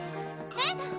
えっ？